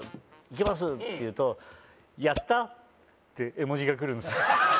行けますっていうとやった！って絵文字がくるんですよ